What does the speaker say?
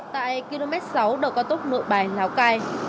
tại km sáu đầu cao tốc nội bài lào cai